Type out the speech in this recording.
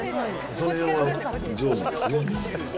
その辺は上手ですね。